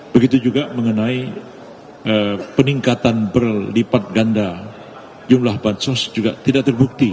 begitu juga mengenai peningkatan berlipat ganda jumlah bansos juga tidak terbukti